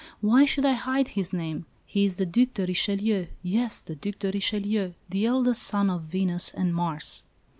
Why should I hide his name? He is the Duc de Richelieu yes, the Duc de Richelieu, the eldest son of Venus and Mars!"